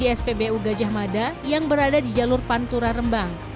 di spbu gajah mada yang berada di jalur pantura rembang